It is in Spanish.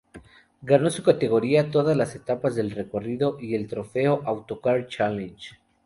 Ganó su categoría, todas las etapas del recorrido y el trofeo "Autocar Challenge".